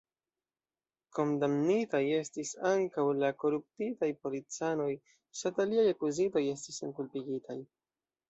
Kondamnitaj estis ankaŭ la koruptitaj policanoj, sed aliaj akuzitoj estis senkulpigitaj.